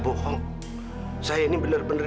bohong saya ini benar benar